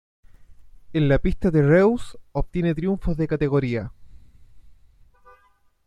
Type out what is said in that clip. En la pista de Reus, obtiene triunfos de categoría.